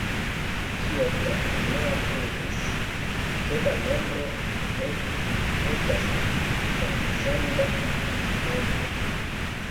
Kiel la unua pruvis, ke la nombro "e" estas transcenda nombro.